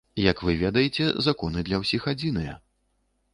Як вы ведаеце, законы для ўсіх адзіныя.